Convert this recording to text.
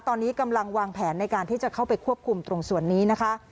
ตอนนี้กำลังวางแผนในการที่จะเข้าไปควบคุมตรงส่วนนี้นะคะ